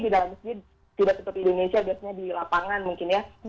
di dalam masjid tidak seperti di indonesia biasanya di lapangan mungkin ya